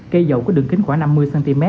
cây dầu có đường kính khoảng năm mươi cm